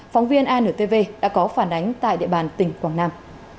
phóng viên antv đã có phản ánh tại địa bàn tỉnh quảng nam